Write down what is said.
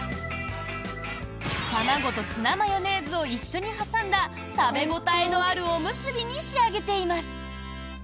卵とツナマヨネーズを一緒に挟んだ食べ応えのあるおむすびに仕上げています！